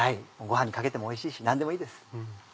ご飯にかけてもおいしいし何でもいいです。